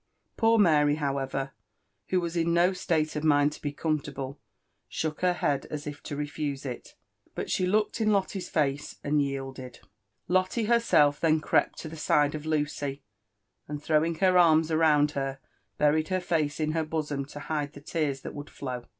Poor Mary, liowever, who was in no state of mind to be comfortable, shook her head as if to refuse it, *but she looked in Lotto's kce and yielded. Lotte herself then crept to the side of Lucy, and throwing her arms round her, buried her face in her bosom to hide the tears that would flow.